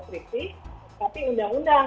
skripsi tapi undang undang